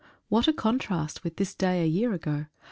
HAT a contrast with this day a year ago.